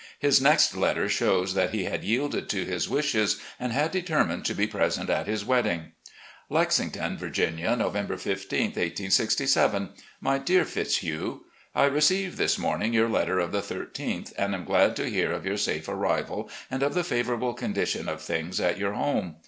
His next letter shows that he had yielded to his wishes and had determined to be present at his wedding: "Lexington, Virginia, November 15, 1867. " My Dear Fitzhugh: I received this morning your let ter of the 13th, and am glad to hear of your safe arrival and of the favourable condition of things at your home.